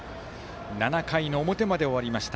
７回表まで終わりました。